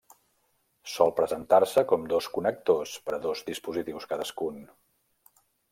Sol presentar-se com dos connectors per a dos dispositius cadascun.